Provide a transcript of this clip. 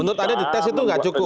menurut anda di tes itu nggak cukup